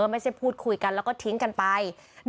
พูดคุยกันแล้วก็ทิ้งกันไป